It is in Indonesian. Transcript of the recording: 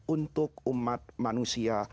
untuk umat manusia